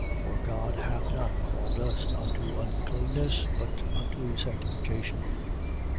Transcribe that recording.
4:7. For God hath not called us unto uncleanness, but unto sanctification.